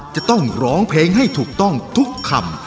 จะต้องร้องเพลงให้ถูกต้องทุกคำ